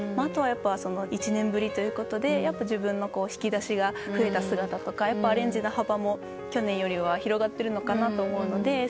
後は１年ぶりということで自分の引き出しが増えた姿とかアレンジの幅も去年よりは広がってるのかなと思うので。